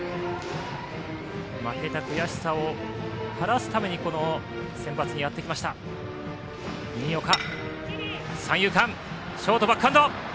負けた悔しさを晴らすためにこのセンバツにやってきました新岡。